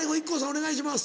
お願いします。